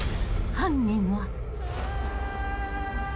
犯人は］